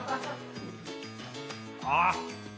あっ！